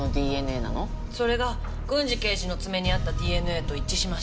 それが郡侍刑事の爪にあったＤＮＡと一致しました。